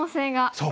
そう。